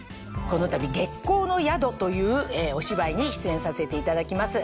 このたび『月虹の宿』というお芝居に出演させていただきます。